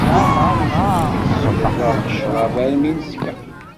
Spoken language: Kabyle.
Tessweḍ-aɣ ccrab armi i neskeṛ.